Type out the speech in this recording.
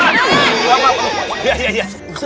ke mana sih ustadz